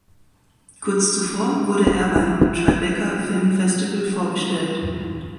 Kurz zuvor wurde er beim Tribeca Film Festival vorgestellt.